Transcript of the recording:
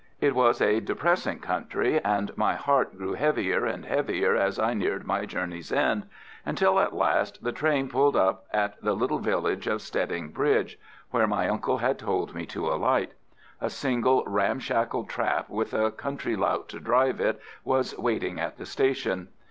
It was a depressing country, and my heart grew heavier and heavier as I neared my journey's end, until at last the train pulled up at the little village of Stedding Bridge, where my uncle had told me to alight. A single ramshackle trap, with a country lout to drive it, was waiting at the station.